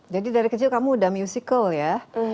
jadi dari kecil kamu udah musikal ya